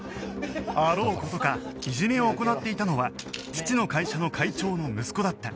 あろう事かいじめを行っていたのは父の会社の会長の息子だった